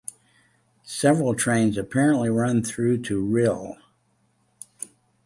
Several trains apparently run through to Rhyl.